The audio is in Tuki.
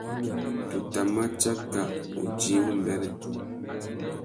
Tu tà ma tsaka udjï wumbêrê.